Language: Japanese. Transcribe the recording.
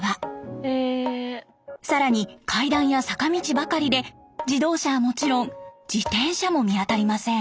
更に階段や坂道ばかりで自動車はもちろん自転車も見当たりません。